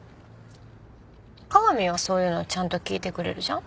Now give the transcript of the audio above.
加賀美はそういうのちゃんと聞いてくれるじゃん？